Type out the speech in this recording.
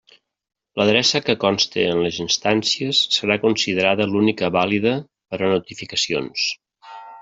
L'adreça que conste en les instàncies serà considerada l'única vàlida per a notificacions.